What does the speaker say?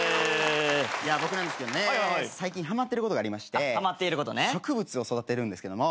僕なんですけどね最近はまってることがありまして植物を育ててるんですけども。